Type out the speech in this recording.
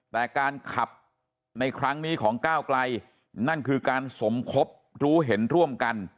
แต่การขับในครั้งนี้ของก้าวไกลนั่นคือการสมคบรู้เห็นร่วมกัน